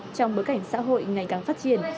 trong bối cảnh xã hội ngày càng phát triển